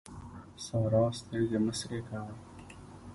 سارا سترګې مه سرې کوه.